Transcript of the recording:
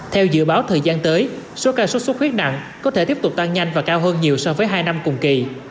theo dự báo thời gian tới số ca sốt sốt huyết nặng có thể tiếp tục toan nhanh và cao hơn nhiều so với hai năm cùng kỳ